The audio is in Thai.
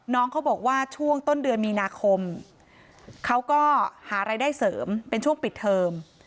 น้องเขาบอกว่าช่วงต้นเดือนมีนาคมเขาก็หารายได้เสริมเป็นช่วงปิดเทอม